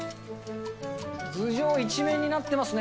頭上一面になってますね。